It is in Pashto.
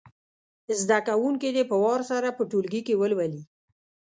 زده کوونکي دې په وار سره په ټولګي کې ولولي.